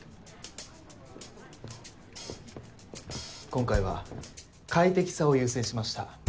今回は快適さを優先しました。